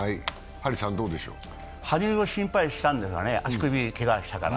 羽生を心配したんだけどね、足首けがしたから。